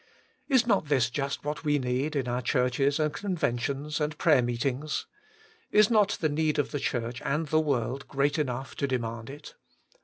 Is not this just what we need in our churches and conventions and prayer meetings 1 Is not the need of the Church and the world great enough to demand it